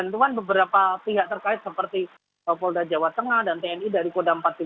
terima kasih mbak imam